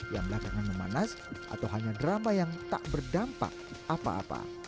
yang belakangan memanas atau hanya drama yang tak berdampak apa apa